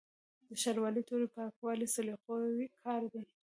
د شاروالۍ تورې پاکول سلیقوي کار دی.